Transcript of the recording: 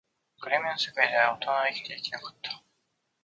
暗闇の世界では、大人は生きていけなかった